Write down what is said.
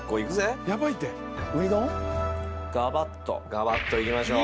がばっといきましょう。